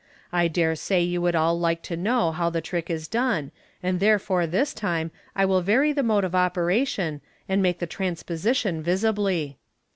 I dare say you would all like to know how the trick is done, and therefore this time 1 will vary the mode of operation, and make the transposition visibly."